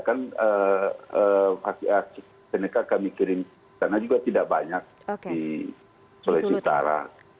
kan astrazeneca kami kirim karena juga tidak banyak di sulawesi utara